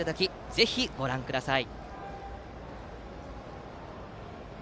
ぜひご覧ください。